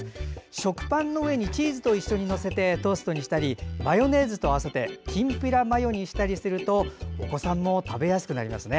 食パンの上にチーズと一緒に載せてトーストにしたりマヨネーズと合わせてきんぴらマヨにしたりするとお子さんも食べやすくなります。